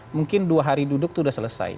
mungkin dua hari duduk itu sudah selesai